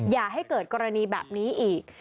อย่าให้เกิดกรณีแบบนี้อีก